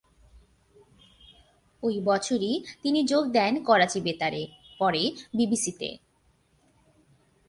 ঐ বছরই তিনি যোগ দেন করাচি বেতারে, পরে বিবিসি-তে।